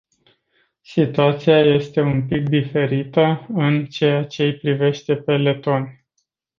Situația este un pic diferită în ceea ce-i privește pe letoni.